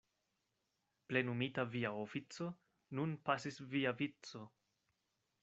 Plenumita via ofico, nun pasis via vico!